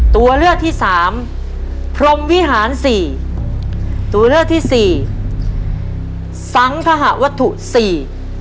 ตัวเลือกที่สามพรมวิหารสี่ตัวเลือกที่สี่สังทหาวัตถุสี่